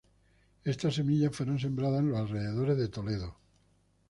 Estas semillas fueron sembradas en los alrededores de Toledo.